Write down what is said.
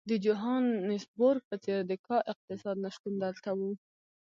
د جوهانسبورګ په څېر د کا اقتصاد نه شتون دلته وو.